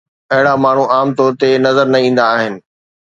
اهڙا ماڻهو عام طور تي نظر نه ايندا آهن.